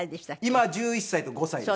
今１１歳と５歳です。